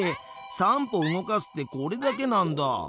「３歩動かす」ってこれだけなんだ。